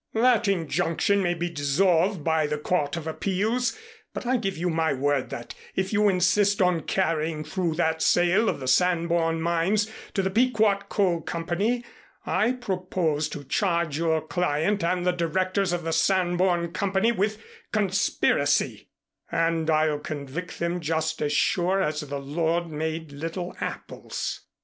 That injunction may be dissolved by the Court of Appeals; but I give you my word that, if you insist on carrying through that sale of the Sanborn Mines to the Pequot Coal Company, I propose to charge your client and the directors of the Sanborn Company with conspiracy, and I'll convict them just as sure as the Lord made little apples!"